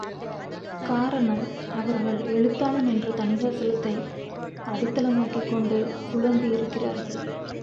காரணம், அவர்கள் எழுத்தாளன் என்ற தணிகாசலத்தை அடித்தளமாக்கிக்கொண்டு குழம்பியிருக்கிறார்கள்.